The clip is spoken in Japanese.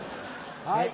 はい。